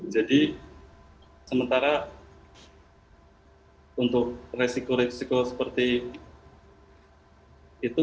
sementara untuk resiko resiko seperti itu